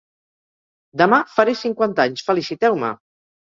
Demà faré cinquanta anys: feliciteu-me!